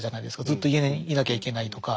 ずっと家にいなきゃいけないとか。